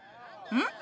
うん？